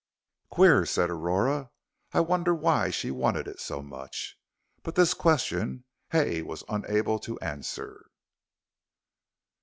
"Queer," said Aurora. "I wonder why she wanted it so much!" but this question Hay was unable to answer.